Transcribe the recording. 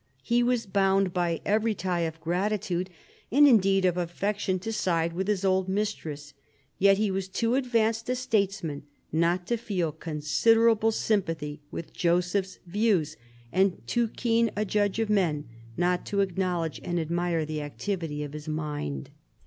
He was bound by every tie of gratitude, and indeed of affection, to side with his old mistress ; yet he was too advanced a statesman not to feel considerable sympathy with Joseph's views, and too keen a judge of men not to acknowledge and admire the activity of his mind.